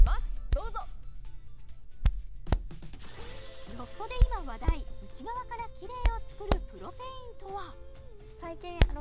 どうぞロフトで今話題内側からキレイを作るプロテインとは？